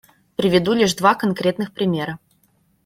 Приведу лишь два конкретных примера.